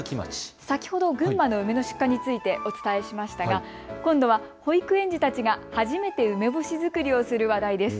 先ほど群馬の梅の出荷についてお伝えしましたが今度は保育園児たちが初めて梅干し作りをする話題です。